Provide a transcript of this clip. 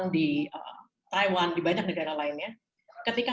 kita bisa melihat